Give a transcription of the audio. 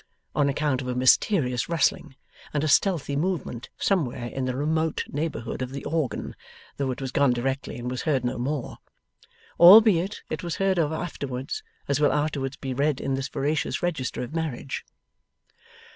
on account of a mysterious rustling and a stealthy movement somewhere in the remote neighbourhood of the organ, though it was gone directly and was heard no more. Albeit it was heard of afterwards, as will afterwards be read in this veracious register of marriage.